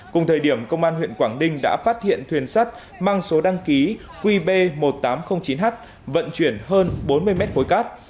cùng thời điểm công an huyện quảng ninh đã phát hiện thuyền sắt mang số đăng ký qb một nghìn tám trăm linh chín h vận chuyển hơn bốn mươi mét khối cát